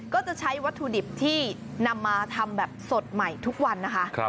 ก็จะใช้วัตถุดิบที่นำมาทำแบบสดใหม่ทุกวันนะคะ